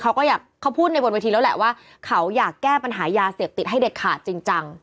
แล้วเค้าเข้าพูดในบทวิธีเราแหละว่าเค้าอยากแก้ปัญหายาเสียบติดให้เด็กขาดจริง